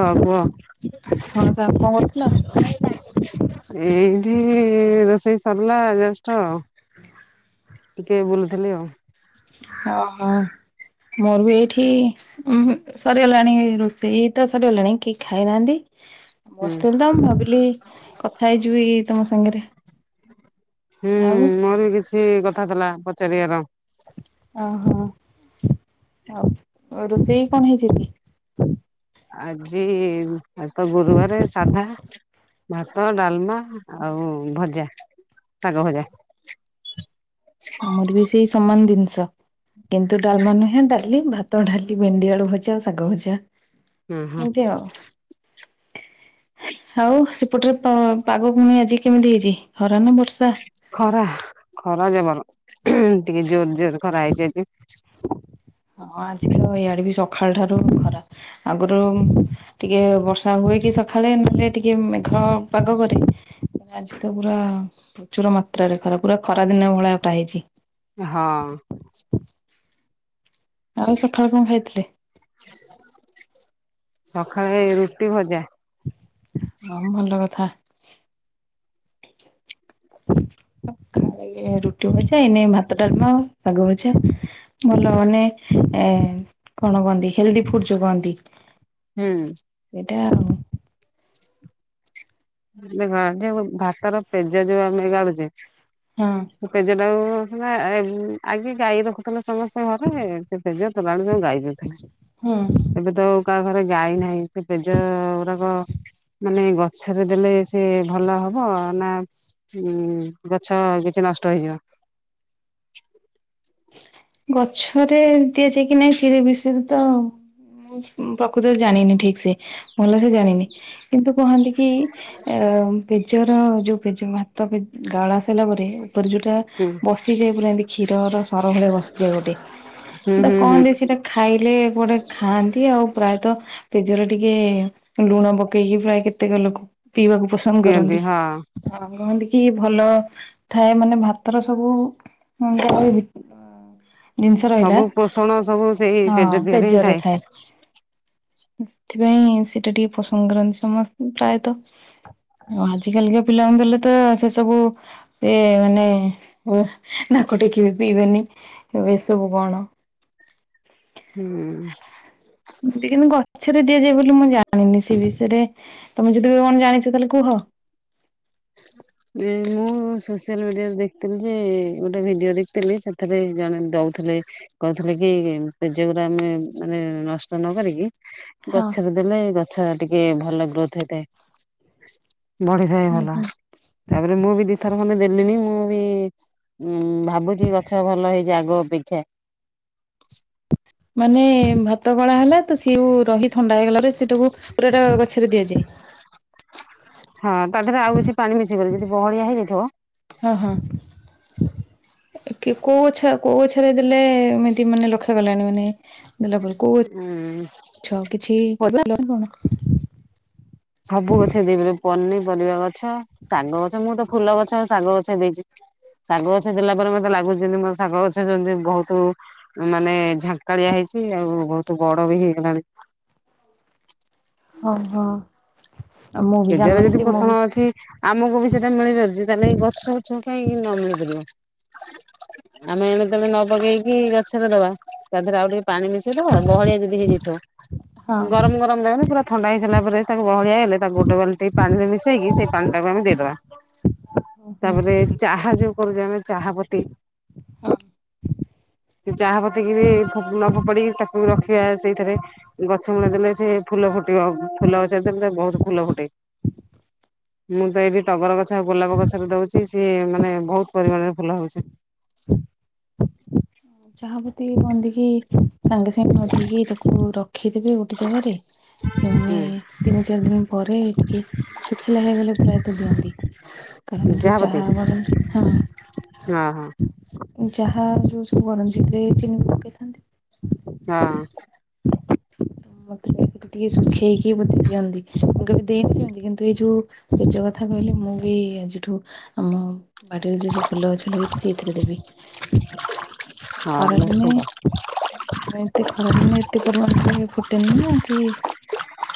ହଁ କୁହ ହଁ ସାର୍ କଣ କରୁଥିଲ? ଏଇଠି ରୋଷେଇ ସରିଲା ଜଷ୍ଟ ଟିକେ ବୁଲୁଥିଲି ଆଉ ଓ ହୋ ମୋର ବି ଏଇଠି ଉଁ ହୁଁ ସରିଗଲାଣି ରୋଷେଇ ତ ସରିଗଲାଣି କେହି ଖାଇନାହାନ୍ତି। ହୁଁ ବସିଥିଲି ତ ମୁଁ ଭାବିଲି କଥା ହେଇଯିବି ତମ ସାଙ୍ଗରେ। ଆଉ ଟେ କଥା ଥିଲା ପଚାରିବାର ଓହୋ ଆଉ ରୋଷେଇ କଣ ହେଇଛି ଆଜି? ଆଜି ତ ଗୁରୁବାରେ ସାଧା ଭାତ ଡାଲମା ଆଉ ଭଜା ଶାଗ ଭଜା। ଆମର ବି ସେଇ ସମାନ ଜିନିଷ। କିନ୍ତୁ ଡାଲମା ନୁହେଁ ଡାଲି ଭାତ, ଡାଲି, ଭେଣ୍ଡି ଆଳୁ ଭଜା ଆଉ ଶାଗ ଭଜା। ହୁଁ ହୁଁ ଏମିତି ଆଉ ଆଉ ସେପଟରେ ପ ପାଗ ପୁଣି ଆଜି କେମିତି ହେଇଛି ଖରା ନା ବର୍ଷା? ଖରା ଖରା ଯବର ଟିକେ ଜୋର ଜୋର ଖରା ହେଇଛି ଆଜି। ହଁ ଆଜି ତ ଏଇଆଡେ ବି ସକାଳ ଠାରୁ ଖରା ଆଗରୁ ଟିକେ ବର୍ଷା ହୁଏ କି ସକାଳେ ନେଲେ ଟିକେ ମେଘ ପାଗ କରେ ଆଜି ତ ପୁରା ପ୍ରଚୁର ମାତ୍ରାରେ ଖରା ପୁରା ଖରା ଦିନ ଭଳିଆ ଟା ହେଇଛି। ହଁ ଆଉ ସକାଳେ କଣ ଖାଇଥିଲେ? ସକାଳେ ରୁଟି ଭଜା। ହଁ ଭଲ କଥା। ଏ ଖାଇ ରୁଟି ଭଜା ଏଇନେ ଭାତ, ଡାଲମା, ଶାଗ ଭଜା। ଭଲ ମାନେ ଏ କଣ କହନ୍ତି ହେଲଦି ଫୁଡ ଯୋଉ କହନ୍ତି। ହୁଁ ସେଇଟା ଆଉ ଦେଖ ଯୋଉ ଭାତାର ପେଜ ଯୋଉ ଆମେ ଗାଳୁଚେ ହଁ ସେ ପେଜଟାକୁ ସିନା ଆ ଆଗେ ଗାଈ ରଖୁଥିଲେ ସମସ୍ତେ ଘରେ ସେ ପେଜ ତୋରାଣି ସବୁ ଗାଇ ଦୋଉଥିଲେ ହୁଁ। ଏବେ ତ ଆଉ କାହା ଘରେ ଗାଈ ନାହିଁ। ସେ ପେଜ ଗୁଡାକ ମାନେ ଗ ଛରେ ଦେଲେ ସେ ଭଲ ହବ ନା ଉ ଗଛ କିଛି ନଷ୍ଟ ହେଇଯିବ। ଗଛରେ ଦିଆଯାଏ କି ନାଇଁ ସେ ବିଷରେ ତ ମୁଁ ପ୍ରକୃତରେ ଜାଣିନି ଠିକ ସେ ଭଲ ସେ ଜାଣିନି। କିନ୍ତୁ କହନ୍ତି କି ଅ ପେଜର ଯୋଉ ପେଜ ଭାତ ପେ ଗାଳ ସାରିଲା ପରେ ଉପରେ ଯୋଉଟା ହୁଁ ବସିଯାଏ ପୁରା ଏମତି କ୍ଷୀରର ସର ଭଳିଆ ବସିଯାଏ ହୁଁ ହେଟା ହୁଁ ହୁଁ କଣ ଯେ ସେଟା ଖାଇଲେ କୁଆଡେ ଖାଆନ୍ତି ଆଉ ପ୍ରାୟତଃ ପେଜର ଟିକେ ଲୁଣ ପକେଇକି ପ୍ରାୟ କେତେକ ଲୋକ ପିଇବାକୁ ପସନ୍ଦ ପିଅନ୍ତି କରନ୍ତି। ହଁ। ହ କହନ୍ତି କି ଭଲ ଥାଏ ମାନେ ଭାତର ସବୁ [unintelligible] ଜିନିଷ ରହିଲା ସବୁ ପୋଷଣ ସବୁ ସେଇ ହଁ ପେଜ ଦେହରେ ହିଁ ପେଜରରେ ଥାଏ। ସେଥି ପାଇଁ ସେଟା ଟିକେ ପସନ୍ଦ କରନ୍ତି ସମସ୍ତେ ପ୍ରାୟତଃ। ଆ ଆଜି କାଲିକା ପିଲାଙ୍କୁ ଦେଲେ ତ ସେ ସବୁ ସେ ମାନେ ନାକ ଟେକିବେ ପିଇବେନି ଏ ଏସବୁ କଣ। ହୁଁ। ଏମିତି କିନ୍ତୁ ଗଛରେ ଦିଆଯାଏ ବୋଲି ମୁଁ ଜାଣିନି ସେ ବିଷୟ ରେ। ତମେ ଯଦିବି କଣ ଜାଣିଛ ତାହେଲେ କୁହ? [inaudible] ଯେ ମୁଁ ସୋସିଆଲ ମିଡିଆରେ ଦେଖିଥିଲି ଯେ ଗୋଟେ ଭିଡିଓ ଦେଖିଥିଲି ସେଥିରେ ଜଣେ ଦଉଥିଲେ କହିଥିଲେ କି ପେଜ ଗୁଡା ଆମେ ମାନେ ନଷ୍ଟ ନ କରିକି ହଁ। ଗଛରେ ଦେଲେ ଗଛ ଟିକେ ଭଲ ଗ୍ରୋଥ ହେଇଥାଏ। ବଢିଥାଏ ହୁଁ ଭଲ ହୁଁ। ତା ପରେ ମୁଁ ବି ଦିଥର ଖଣ୍ଡେ ଦେଲିଣିି ମୁଁ ବି ଉଁ, ଭାବୁଛି ଗଛ ଭଲ ହେଇଛି ଆଗ ଅପେକ୍ଷା। ମାନେ ଭାତ ଗଳା ହେଲା ତ ସିଏଉ ରହି ଥଣ୍ଡା ହେଇଗଲା ସେଟାକୁ ପୁରା ଟା ଗଛରେ ଦିଆଯାଏ। ହଁ ତା ଦେହରେ ଆଉ କିଛି ପାଣି ମିସେଇବନି ସେ ଯଦି ବହଳିଆ ହେଇଯାଇଥିବ ହଁ ହଁ କୋଉ ଗଛ କୋଉ ଗଛରେ ଦେଲେ ଏମିତି ମାନେ ଲକ୍ଷ କଲାଣି ମାନେ ଦେଲା ପରେ କୋଉ ଉଁ ଗଛ କିଛି ପରିବା [unintelligible] କଣ। ସବୁ ଗଛ ଦେଇପାରିବ ପନିପରିବା ଗଛ, ଶାଗ ଗଛ, ମୁଁ ତ ଫୁଲ ଗଛ ଶାଗ ଗଛ ଦେଇଚି। ଶାଗ ଗଛ ଦେଲା ପରେ ମତେ ଲାଗୁଛି ଜେନ୍ତି ମୋ ଶାଗ ଗଛ ଯେମିତି ବୋହୁତୁ ମାନେ ଝାଙ୍କାଳିଆ ହେଇଛି, ଆଉ ବୋହୁତୁ ବଡ ବି ହେଇଗଲାଣି। [unintelligible] ହଁ। [unintelligible] ଯଦି ପୋଷଣ ଅଛି। ଆମୁକୁ ବି ସେଟା ମିଳିପାରୁଚି ତାହେଲେ ଏଇ ଗଛ ଗୁଛି କୁ କାହିଁକି ନ ମିଳି ପାରିବ। ଆମେ ଏଣେ ତେଣେ ନ ପକେଇକି ଗଛରେ ଦବା ତା ଦେହରେ ଆଉ ଟିକେ ପାଣି ମିଶି ସେଇ ଦବ ବହଳିଆ ଯଦି ହେଇଯାଇଥିବ, ହଁ ଗରମ ଗରମ ଦେବେନି ପୁରା ଥଣ୍ଡା ହେଇ ସାରିଲା ପରେ ତାକୁ ବହଳିଆ ହେଲେ ତାକୁ ଗୋଟେ ବାଲଟିି ପାଣିରେ ମିଶେଇକି ସେଇ ପାଣି ଟାକୁ ଆମେ ଦେଇ ଦବା ତା ହୁଁ ପରେ ଚାହା ଯୋଉ କରୁଚେ ଆମେ ଚାହା ପତି [inaudible] ଚାହା ପତିକି ବି ଫୋପ୍ ନ ଫୋପାଡି କି ତାକୁ ରଖିବା ସେଇଥିରେ ଗଛ ମୂଳେ ଦେଲେ ସେ ଫୁଲ ଫୁଟିବ, ଫୁଲ ଗଛ ରେ ଦେଲେ ତାକୁ ବୋହୁତ ଫୁଲ ଫୁଟେ। ମୁଁ ତ ଏଇଠି ଟଗର ଗଛ, ଆଉ ଗୋଲାପ ଗଛରେ, ଦୋଉଚି ସିଏ ମାନେ ବୋହୁତ ପରିମାଣରେ ଫୁଲ ହୋଉଛି। ଚାହା ପତିକି କୁହନ୍ତି କି ସାଙ୍ଗେ ସାଙ୍ଗେ ନ ଦେଇକି ତାକୁ ରଖିଦେବେ ଗୋଟେ ଜାଗାରେ। ସେମାନେ ହୁଁ ତିନି ଚାରି ଦିନ ପରେ ଟିକେ ଶୁଖିଲା ହେଇଗଲେ ପ୍ରାୟତଃ ଦିଅନ୍ତି। କାରଣ ଯୋଉ ଚାହା କରନ୍ତି, ହଁ। ଅହଁ। ଉଁ ଚାହା ଯୋଉ ସବୁ କରନ୍ତି ସେଇଥୀରେ ଚିନି ପକେଇ ଥାନ୍ତି। ହଁ। [inaudible] [unintelligible] ଟିକେ ସୁଖେଇକି ବୋଧେ ଦିଅନ୍ତି ମୁଁ କେବେ ଦେଇନି ସେମିତି କିନ୍ତୁ ଏଇ ଯୋଉ ପେଜ କଥା କହିଲେ ମୁଁ ବି ଆଜିଠୁ ଆମ ବାଟିରେ ଯୋଉ ସବୁ ଫୁଲ ଗଛ। ଲାଗିଛି ସେଇଥିରେ ଦେବି ହଁ ଖରା ଦିନେ ନିଶ୍ଚିନ୍ତ ନାଁ ଏତେ ଖରାଦିନେ ଏତେ ପରିମାଣରେ ଫୁଟେନି ନା କି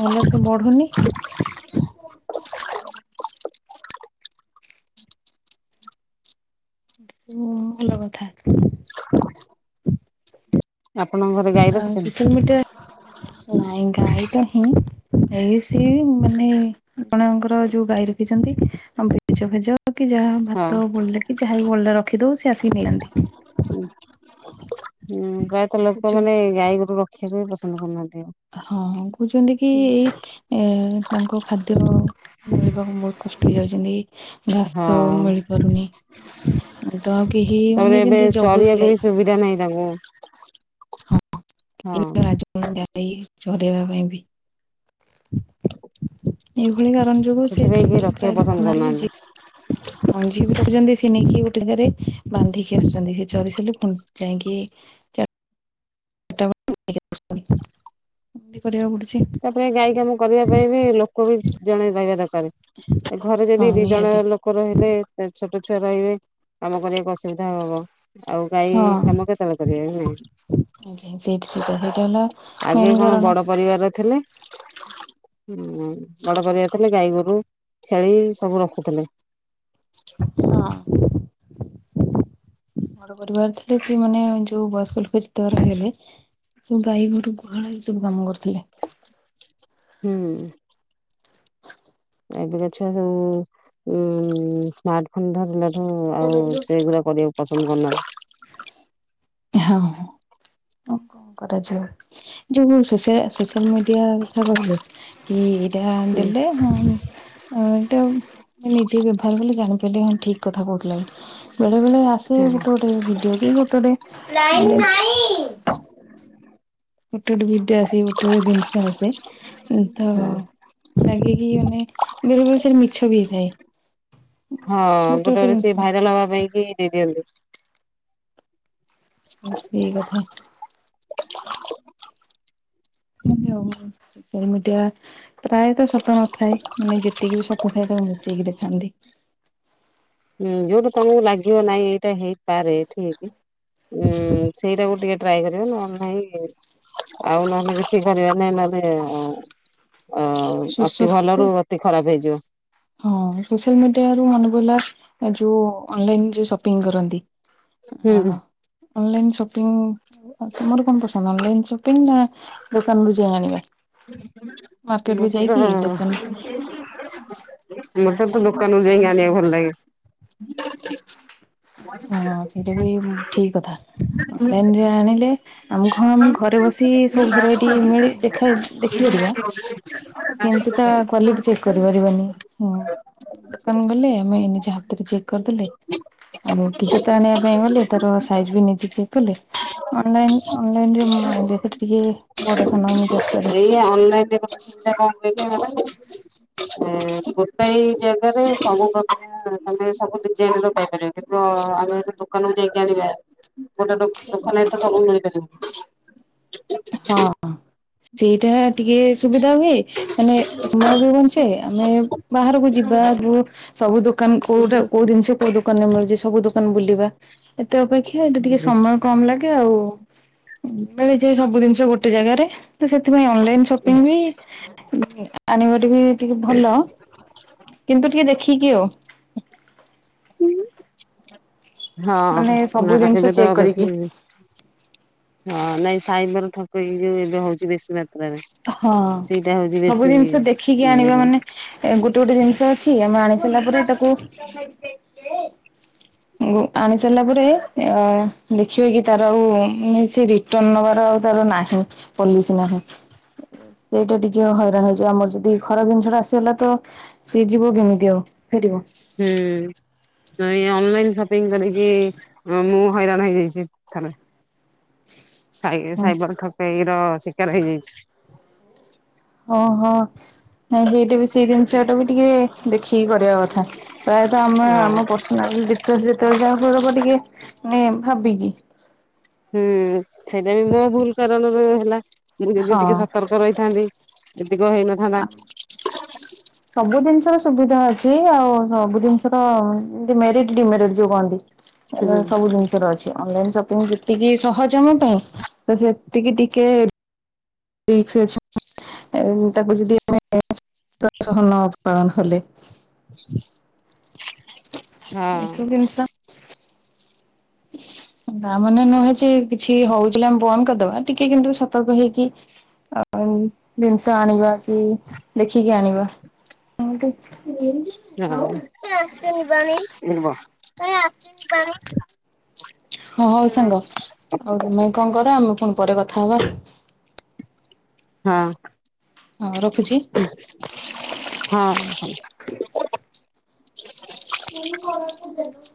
ଭଲ ସେ ବଢୁନି। ଉଁ ଭଲ କଥା। ଆପଣଙ୍କର ଘରେ ଗାଈ ଆଉ ରଖିଛନ୍ତି? ସୋସିଆଲ୍ ମିଡିଆ ଏ ନାଇଁ ଗାଈଟା ହିଁ। ଏଇ ସିଏ ବି ମାନେ ଆପଣଙ୍କର ଯୋଉ ଗାଈ ରଖିଛନ୍ତି [unintelligible] ପେଜ ଫେଜ ତ କି ଯାହା ହୋଉ ହଁ ଭାତ ବଳିଲେ କି ଯାହା ବିି ବଳିଲା ରଖିଦୋଉ ସେ ଆସିକି ନିଅନ୍ତି। ହଁ, ହୁଁ, ପ୍ରାୟତଃ ଲୋକୋମାନେ ଗାଈ ଗୋରୁ ରଖିବାକୁ ହୁଁ ପସନ୍ଦ କରୁନାହାନ୍ତି ଆଉ। ହଁ କୋହୁଚନ୍ତି କି ଏ ତାଙ୍କ ଖାଦ୍ୟ ମିଳିବାକୁ ବୋହୁତ କଷ୍ଟ ହେଇଯାଉଚନ୍ତି। ଘାସ ହଁ ମିଳିପାରୁନି ତ ଆଉ କେହି ମାନେ ଯେନ୍ତି ଜଗୁଥୁଲେ ଆଇ ଗା ନାଇଁ ତାଙ୍କୁ। ହଁ କେହି ହଁ। ତ ରାଜି ହୋଉନାହାନ୍ତି ଗାଈ ଚରେଇବା ପାଇଁ ବି। ଏଇଭଳି କାରଣ ଯୋଗୁଁ ସେ ସେଥିପାଇଁ କେହି [unintelligible] ରଖିବାକୁ ପ୍ରାୟ ପସନ୍ଦ ରଖୁନାହାନ୍ତି କରୁନାହାନ୍ତି। ଯିଏ ହଁ ଯିଏ ବି ରଖୁଛନ୍ତି ସିଏ ନେଇକି ଗୋଟେ ଜାଗାରେ ବାନ୍ଧିକି ଆସୁଛନ୍ତି ସିଏ ଚରିସାରିଲେ ଫୁଣି ଯାଇଁକି [unintelligible] ଏମିତି କରିବାକୁ ପଡୁଛି। ତାପରେ ଗାଈ କାମ କରିବା ପାଇଁ ବି ଲୋକୋ ବି ଜଣେ ରହିବା ଦରକାରେ। ଏ ଘରେ ହଁ ଯଦି ଦି ଜଣ ନିହାତି। ଲୋ କୋ ରହିଲେ ଛୋଟୋ ଛୁଆ ରହିବେ କାମ କରିବାକୁ ଅସୁବିଧା ହବ। ଆଉ ଗାଈ ହଁ। କାମ କେତେବେଳେ କରିବେ। [unintelligible] ଆଜ୍ଞା [unintelligible] ସେଇଟା ହେଲା ମେନ୍ କାରଣ। ପରିବାରରେ ଥେଲେ। ହୁଁ ବଡ ପରିବାର ଥିଲେ ଗାଈ ଗୋରୁ ଛେଳି ସବୁ ରଖୁଥୁଲେ। ହଁ। ବୋଡ ପରିବାର ଥିଲେ ସେ ମାନେ ଯୋଉ ବୟସ୍କ ଲୋକ ଯେତେକ ରହିଲେ। ସବୁ ଗାଈ ଘରୁ ଗୁହାଳ ଏଇ ସବୁ କାମ କରୁଥିଲେ। ହୁଁ। ଏବେକା ଛୁଆ ସବୁ ଉଁ ସ୍ମାର୍ଟ ଫୋନ ଧରିଲଠୁ ଆଉ ସେଗୁଡା କରିବାକୁ ପସନ୍ଦ କରୁନାହାଁନ୍ତି। ହାଁ ହଁ। ଉଁ କରାଯିବ। ଯୋଉ ସୋସିଆ ସୋସିଆଲ ମିଡିଆ କଥା କହିଲେ କି ଦେହା ଦେଲେ ହୁଁ। ଆ ଏଇଟା ନିଜେ ବ୍ୟବହାର କଲି ଜାଣିପାରିଲି ହଁ ଠିକ କଥା କହୁଥିଲା ବୋଲି। ବେଳେ ବେଳେ ଆସେ ଗୋଟେ ଗୋଟେ ଭିଡିଓ କି ଗୋଟେ ଗୋଟେ ଏ ଗୋଟେ ଗୋଟେ ଭିଡିଓ ଆସେ ସେଇ ଗୋଟେ ପ୍ରକାର ଜିନିଷ ଆସେ। ଉଁ ତ ହଁ ଲାଗେ କିି ମାନେ ବେଳେ ବେଳେ ସେଟା ମିଛ ବି ହେଇଥାାଏ। ହଁ ଗୋଟେ ଗୋଟେ ସେ ଭାଇରାଲ ହବା ପାଇଁ କି ଦେଇଦିଅନ୍ତି। ହଁ ସେଇ କଥା। ଏମିତି ଆଉ ସୋସିଆଲ ମିଡ଼ିଆ ପ୍ରାୟତଃ ସତ ନଥାଏ। ମାନେ ଯେତିକି ବି ସତ ଥାଏ ତାକୁ ମିଶେଇକି ଦେଖାନ୍ତି। ହୁଁ ଯୋଉଠୁ ତମକୁ ଲାଗିବ ନାଇଁ ହେଇପାରେ ଠିକ୍ ଉଁ ସେଇଟାକୁ ଟିକେ ଟ୍ରାଏ କରିବେ ନହେଲେ ନାଇଁ ହେଁ ଆଉ ନହେଲେ କିଛି କରିବା ନାଇଁ ନହେଲେ ଆ ସୋସ ସେ ଖରାପ ହେଇଯିବ। ହଁ ସୋସିଆଲ ମିଡିଆ ରୁ ମନେ ପଡ଼ିଲା ଯୋଉ ଅନଲାଇନ ସପିଙ୍ଗ କରନ୍ତି ହୁଁ ଆହ ଅନଲାଇନ ସପିଙ୍ଗ ତମର କଣ ପସନ୍ଦ ଅନଲାଇନ ସପିଙ୍ଗ ନା ଦୋକାନ ରୁ ଯାଇଁ ଆଣିବା? ମାର୍କେଟକୁୁ ମତେ ତ ଯାଇକି ଦୋକାନ ମୋତେ ତ ଦୋକାନରୁ ଯାଇଁକି ଆଣିବାକୁ ଭଲ ଲାଗେ। ହଁ ସେଇଟା ବି ଉଁ ଠିକ କଥା। ଅନଲାଇନ ରେ ଆଣିଲେ ଆମକୁ ହଁ ଆମେ ଘରେ ବସି ସବୁ ଭେରାଇଟି ମିଳି ଦେଖାଇ ଦେଖିପାରିବା। କିନ୍ତୁ ତା କ୍ଵାଲିଟି ଚେକ୍ କରିପାରିବାନି। ଦୋକାନ ଗଲେ ଆମେ ନିଜ ହାତରେ ଚେକ୍ କରିଦେଲେ। ଆରେ କି ଜୋତା ଆଣିବା ପାଇଁ ଗଲେ ତାର ସାଇଜ ବି ନିଜେ ଚେକ୍ କଲେ। ଅନଲାଇନ ଅନଲାଇନ ରେ ମାନେ ଡ୍ରେସ ଟା ଟିକେ ବଡ ସାନ ଏମିତି ଆସିପାରେ। ଇଏ ଅନଲାଇନ ରେ [unintelligible] ଅନଲାଇନ୍ [unintelligible] ଏଁ ଗୋଟାଇ ଜାଗାରେ ସବୁ ପ୍ରକାର ତମେ ସବୁ ଡିଜାଇନ ର ପାଇପାରିବ। ହେବ ଆମେ ଏବେ ଦୋକାନକୁୁ ଯାଇକି ଆଣିବା ଗୋଟେ ଦୋକାନ ରେ ତ ସବୁ ମିଳିପାରିବ। ହଁ ସେଇଟା ଟିକେ ସୁବିଧା ହୁଏ ମାନେ ସମୟ ବି ବଞ୍ଚେ ଆମେ ବାହାରକୁ ଯିବା ଯୋ ସବୁ ଦୋ ଦୋକାନ କୋଉଟା କୋଉ ଜିନିଷ କୋଉ ଦୋକାନରେ ମିଳୁଚି ସବୁ ଦୋକାନ ବୁଲିବା। ଏତେ ଅପେକ୍ଷା ଏଇଟା ଟିକେ ସମୟ କମ ଲାଗେ ଆଉ ମିଳିଯାଏ ସବୁ ଜିନିଷ ଗୋଟେ ଜାଗାରେ। ତ ସେଥିପାଇଁ ଅନଲାଇନ୍ ସପିଙ୍ଗ ବି ଉଁ ଆଣିବା ଟା ରେ ବି ଟିକେ ଭଲ କିନ୍ତୁ ଟିକେ ଦେଖିକି ଆଉ। ହଁ ମାନେ ସବୁ ନା ଜିନିଷ ଏବେ ତ ଚେକ୍ କରିକି। ବେଶୀ ହଁ ନାଇଁ ସାଇବର ଠକେଇି ଯୋଉ ଏବେ ହଉଚି ବେଶି ମାତ୍ରାରେ। ହଁ ସେଇଟା ହଉଛି ସବୁ ବେଶୀ ଜିନିଷ ଦେଖିକି ଆଣିବା ହୁଁ ମାନେ ଏ ଗୋଟେ ଗୋଟେ ଜିନିଷ ଅଛି ଆମେ ଆଣି ସରିଲା ପରେ ତାକୁ ଗୁଁ ଆଣି ସାରିଲା ପରେ ଆ ଦେଖିବେ କି ତାର ଆଉ ଉଁ ସେ ରି ଟର୍ନ ନବାର ଆଉ ତାର ନାହିଁ ପଲିସ୍ ନାହିଁ। ସେଇଟା ଟିକେ ହଇରାଣ ହେଇଯିବ। ଆମର ଯଦି ଖରାପ ଜିନିଷ ଟା ଆସିଗଲା ତ ସିଏ ଯିବ କେମିତି ଆଉ ଫେରିବ? ହୁଁ ତ ଏଇ ଅନଲାଇନ ସପିଙ୍ଗ କରିକି ଅ ମୁଁ ହଇରାଣ ହେଇଯାଇଚି। ଥ ସାଇବନ୍ ପେଇଇ ର ଶିକାର ହେଇଯାଇଛି [unintelligible] ଓହୋ ନାଇଁ ଏଇଟା ବି। ସେଇ ଜିନିଷ ଟା ବି ଟିକେ ଦେଖିକି କରିବା କଥା। ପ୍ରାୟତଃ ଆମ ହଁ। ଆମ ନା ଯେତେବେଳେ ଯେତେବେଳେ ଯାହା ପବ ଟିକେ ଭାବିକି। ହୁଁ ସେଇଟା ବି ମୋ ଭୁଲ କାରଣରୁ ହେଲା ମୁଁ ଯଦି ଟିକେ ହଁ। ସତର୍କ ରହିଥାନ୍ତି। ଏତିକ ହେଇନଥାନ୍ତା। ସବୁ ଜିନିଷର ସୁବିଧା ଅଛି। ଆଉ ସବୁ ଜିନିଷ ର ମେରିଟ ଡିମେରିଟ୍ ଯୋଉ କହନ୍ତି। ହୁଁ ସବୁ ଜିନିଷ ର ଅଛି। ଅନଲାଇନ ସପିଙ୍ଗ ଯେତିକି ସହଜ ଆମ ପାଇଁ ତ ସେ ଟିକେ ଟିକେ ତାକୁ ଯଦି [unintelligible] ଆମେ ଅବକରଣ [inaudible] ହେଲେ ହ [inaudible] ହଁ। ଏସବୁ ଜିନିଷ ତା ମାନେ ନୁହେଁ ଯେ କିଛି ହଉଥିଲା ଆମେ ବନ୍ଦ କରିଦବା। ଟିକେ କିନ୍ତୁ ସତର୍କ ହେଇକି। ଆଉ ଜିନିଷ ଆଣିବା କି ଦେଖିକି ଆଣିବା। ହଁ କିି [unintelligible] ହ [unintelligible] ହଁ ହଉ ସାଙ୍ଗ ଆଉ ତମେ କଣ କର ଆମେ ପୁଣି ପରେ କଥା ହବା। ହଁ। ହଁ ରଖୁଛି। ହଁ ହଁ। ଖଲି [unintelligible] ମୁ କଣ [unintelligible]